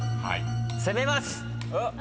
攻めます！